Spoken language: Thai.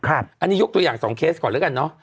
อันนี้ยกตัวอย่างสองเคสก่อนแล้วกัน